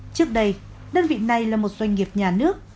trước đây đơn vị này là một doanh nghiệp nhà nước